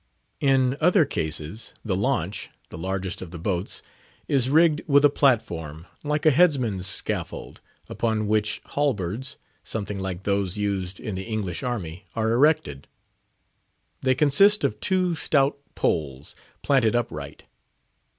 In other cases, the launch—the largest of the boats—is rigged with a platform (like a headsman's scaffold), upon which halberds, something like those used in the English army, are erected. They consist of two stout poles, planted upright.